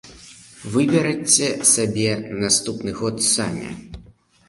Выберыце сабе наступны год самі.